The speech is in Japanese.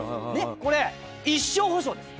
これ一生補償です。